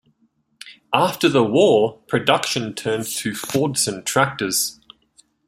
After the war, production turned to Fordson tractors.